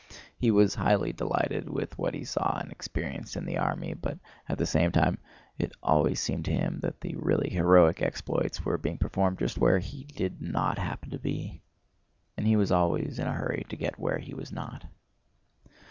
He was highly delighted with what he saw and experienced in the army, but at the same time it always seemed to him that the really heroic exploits were being performed just where he did not happen to be. And he was always in a hurry to get where he was not.